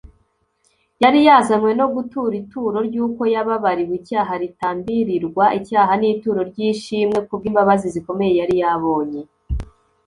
Yari yazanywe no gutura ituro ry’uko yababariwe icyaha [ritambirirwa icyaha] n’ituro ry’ishimwe ku bw’imbabazi zikomeye yari yabonye